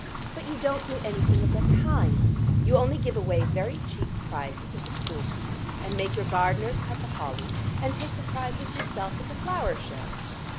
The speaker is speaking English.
But you don't do anything of that kind: you only give away very cheap prizes at the school feast, and make your gardeners cut the holly, and take the prizes yourself at the flower show.